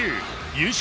優勝